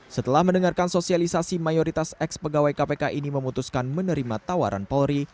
setelah mendengarkan sosialisasi mayoritas ex pegawai kpk ini memutuskan menerima tawaran polri